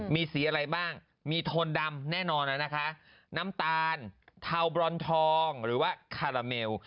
มีสีอะไรบ้างมีโทนดำแน่นอนแล้วนะคะน้ำตาลเทาบรอนทองหรือว่าคาราเมล